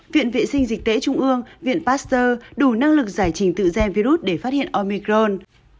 viện vệ sinh dịch tễ trung ương viện pasteur đủ năng lực giải trình tự gen virus để phát hiện omicron